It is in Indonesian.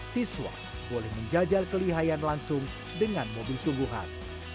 siswa boleh menjajal kelihayan langsung dengan mobil sungguhan